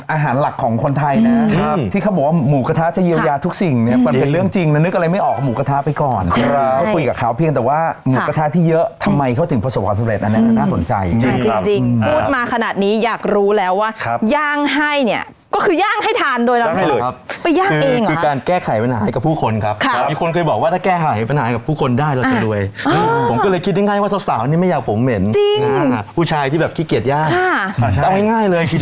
อาหารหลักของคนไทยนะครับที่เขาบอกว่าหมูกระทะจะเยียวยาทุกสิ่งเนี่ยมันเป็นเรื่องจริงแล้วนึกอะไรไม่ออกหมูกระทะไปก่อนคุยกับเขาเพียงแต่ว่าหมูกระทะที่เยอะทำไมเขาถึงประสบความสำเร็จอันเนี่ยน่าสนใจจริงพูดมาขนาดนี้อยากรู้แล้วว่าย่างให้เนี่ยก็คือย่างให้ทานโดยละครับไปย่างเองหรอคือการแก้ไขปัญห